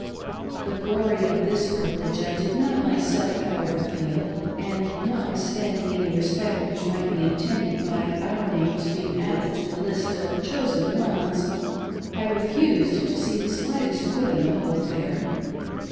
The glory of this privilege I did not myself, however, feel ; and, notwithstanding any respect which might be intended by our names being added to the list of chosen ones, I refused to see the slightest good in the whole affair.